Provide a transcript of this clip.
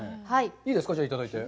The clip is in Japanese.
いいですか、いただいて。